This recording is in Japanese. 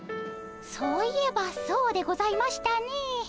そういえばそうでございましたね。